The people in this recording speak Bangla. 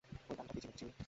ওই গানটা কী ছিল, জিমি?